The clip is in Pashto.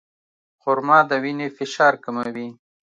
خرما د وینې فشار کموي.